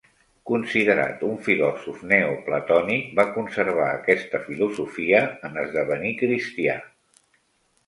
Considerat un filòsof neoplatònic, va conservar aquesta filosofia en esdevenir cristià.